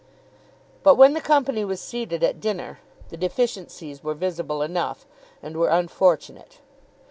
But when the company was seated at dinner the deficiencies were visible enough, and were unfortunate.